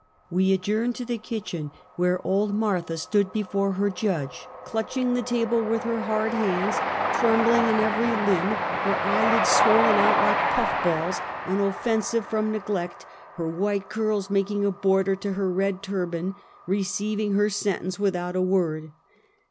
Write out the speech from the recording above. We adjourned to the kitchen where old Martha Habitations of Hoeeid Ceuelty. 57 stood before lier judge, clutching the table witli lier bard bands, trembling in every limb, her eyelids swollen out like puff balls, and offensive from neglect, her white curls making a border to her red turban, re ceiving her sentence without a word.